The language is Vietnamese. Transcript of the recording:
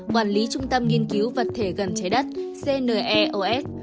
quản lý trung tâm nghiên cứu vật thể gần trái đất cnos